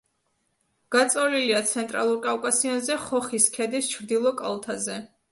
გაწოლილია ცენტრალურ კავკასიონზე, ხოხის ქედის ჩრდილო კალთაზე.